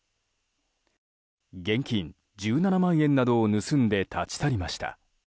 現金１７万円などを盗んで立ち去りました。